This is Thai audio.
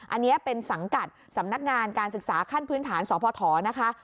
อันนี้เป็นสังกัดสำนักงานการศึกษาขั้นพื้นฐานสพนะคะ